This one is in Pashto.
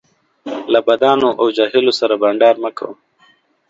له بدانو او جاهلو سره بنډار مه کوه